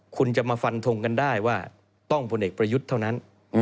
คุณจะมาฟันทงกันได้ว่าต้องพลเอกประยุทธ์เท่านั้น